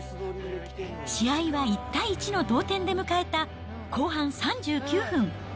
試合は１対１の同点で迎えた後半３９分。